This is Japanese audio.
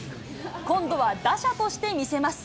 今度は打者として見せます。